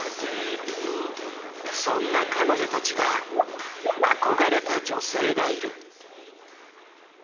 そんな彼女たちが憧れた女性がいる。